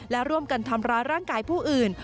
และร่วมกันทำร้ายร่างกายผู้อื่น